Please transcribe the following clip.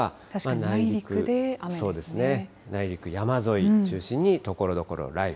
内陸、山沿い中心にところどころ雷雨。